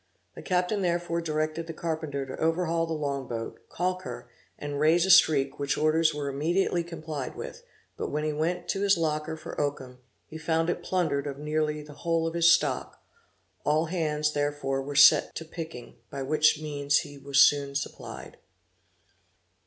The captain therefore directed the carpenter to overhaul the long boat, caulk her, and raise a streak which orders were immediately complied with; but when he went to his locker for oakum, he found it plundered of nearly the whole of his stock all hands were therefore set to picking, by which means he was soon supplied.